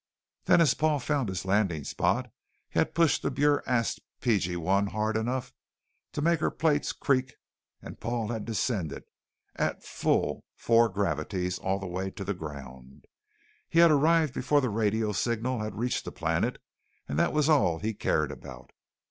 Then as Paul found his landing spot, he had pushed the BurAst P.G.1 hard enough to make her plates creak and Paul had descended at a full four gravities all the way to the ground. He had arrived before the radio signal had reached the planet and that was all he cared about.